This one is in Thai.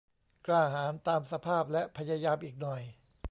"กล้าหาญตามสภาพและพยายามอีกหน่อย"